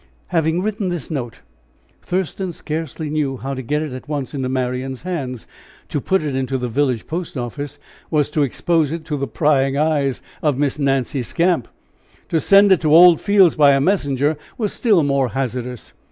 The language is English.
Having written this note, Thurston scarcely knew how to get it at once into Marian's hands. To put it into the village post office was to expose it to the prying eyes of Miss Nancy Skamp. To send it to Old Fields, by a messenger, was still more hazardous.